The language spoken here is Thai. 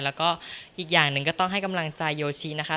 แล้วก็อีกอย่างหนึ่งก็ต้องให้กำลังใจโยชินะคะ